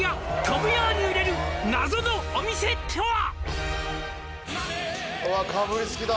「飛ぶように売れる謎のお店とは」